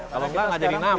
kalau nggak nggak jadi nambah